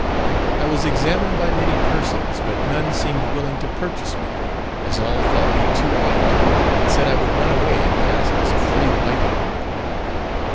I was examined by many persons, but none seemed willing to purchase me; as all thought me too white, and said I would run away and pass as a free white woman.